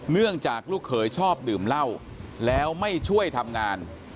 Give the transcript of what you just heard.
เนื่องจากลูกเขยชอบดื่มเหล้าแล้วไม่ช่วยทำงาน